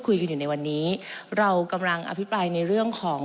คุยกันอยู่ในวันนี้เรากำลังอภิปรายในเรื่องของ